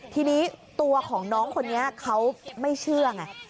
ทีนี้ตัวของน้องคนนี้เขาไม่เชื่อไง